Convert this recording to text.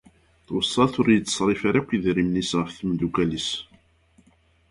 Tweṣṣa-t ur yetṣerrif ara yakk idrimen-is ɣef temdakult-is.